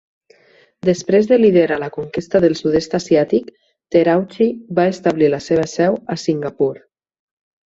Després de liderar la conquesta del sud-est asiàtic, Terauchi va establir la seva seu a Singapur.